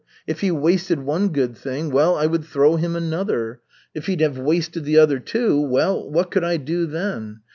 If he wasted one good thing, well, I would throw him another. If he'd have wasted the other, too, well, what could I do then?